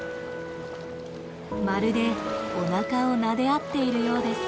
まるでおなかをなで合っているようです。